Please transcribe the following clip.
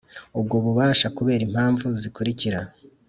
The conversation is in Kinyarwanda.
ubwo bubasha kubera impamvu zikurikira